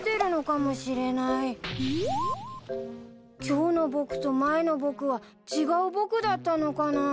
今日の僕と前の僕は違う僕だったのかなぁ？